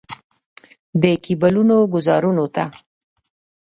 د کیبلونو ګوزارونو ته.